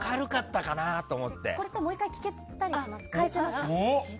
これってもう１回聞けたりしますか？